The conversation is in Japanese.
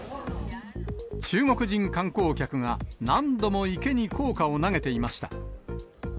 中国人観光客が何度も池に硬貨を投げていました。